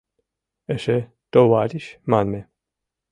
— Эше «товарищ» манме.